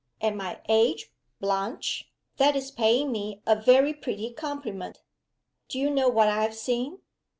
"At my age, Blanche? that is paying me a very pretty compliment." "Do you know what I have seen?"